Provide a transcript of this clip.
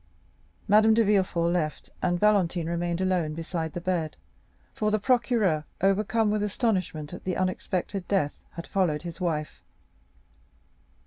Madame de Villefort left, and Valentine remained alone beside the bed, for the procureur, overcome with astonishment at the unexpected death, had followed his wife.